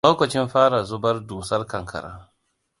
Lokacin fara zubar dusar ƙanƙara.